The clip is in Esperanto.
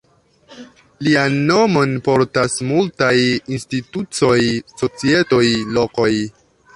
Lian nomon portas multaj institucioj, societoj, lokoj.